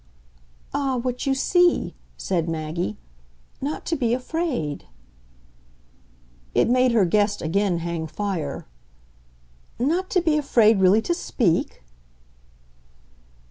"Ah, what you see!" said Maggie. "Not to be afraid." It made her guest again hang fire. "Not to be afraid really to speak?"